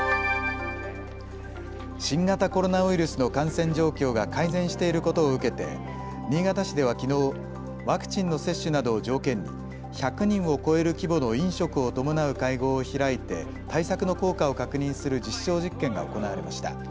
新型コロナウイルスの感染状況が改善していることを受けて新潟市ではきのう、ワクチンの接種などを条件に１００人を超える規模の飲食を伴う会合を開いて対策の効果を確認する実証実験が行われました。